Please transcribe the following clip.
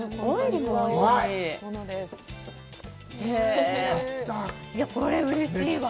いや、これうれしいわ。